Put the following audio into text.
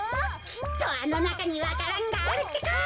きっとあのなかにわか蘭があるってか！